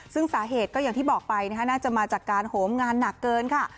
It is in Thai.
ซึ่งสาเหตุก็อย่างที่บอกไปน่าจะมาจากการโหมงานหนักเกินค่ะ